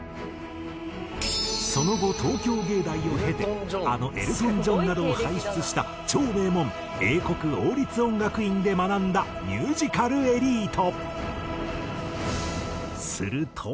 その後東京藝大を経てあのエルトン・ジョンなどを輩出した超名門英国王立音楽院で学んだミュージカルエリート。